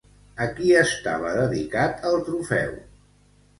A qui estava dedicat el trofeu?